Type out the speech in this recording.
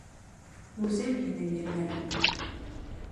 Гүзәл һинең ерҙәрең!